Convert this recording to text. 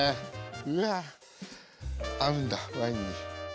いや合うんだワインに。